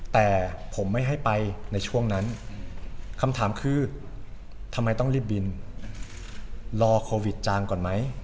แต่ผมไม่ให้ไปในช่วงนั้นคำถามคือทำไมต้องรีบบินรอโควิดจางก่อนไหม